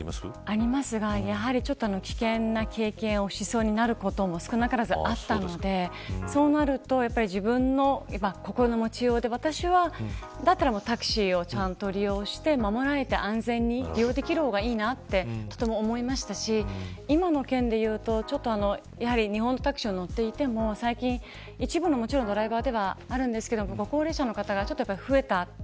ありますが、危険な経験をしそうになることも少なからずあったのでそうなると自分の心の持ちようで私は、だったらタクシーをちゃんと利用して守られて安全に利用できる方がいいなと思いましたし今の件でいうとやはり日本のタクシーに乗っていても最近、もちろん一部のドライバーではあるんですが高齢者の方が増えた。